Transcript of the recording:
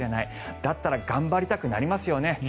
だったら頑張りたくなりますよね。